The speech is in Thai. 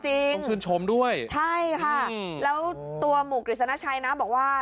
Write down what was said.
ต้องชื่นชมด้วยใช่ค่ะแล้วตัวหมู่กฤษณชัยนะบอกว่า